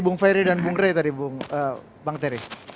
bung ferry dan bung rey tadi bang terry